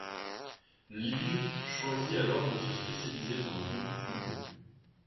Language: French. Ligges choisit alors de se spécialiser dans le concours complet.